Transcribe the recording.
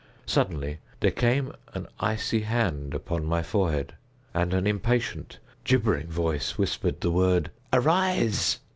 Suddenly there came an icy hand upon my forehead, and an impatient, gibbering voice whispered the word "Arise!"